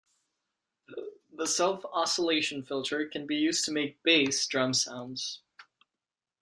The self oscillation filter can be used to make bass drum sounds.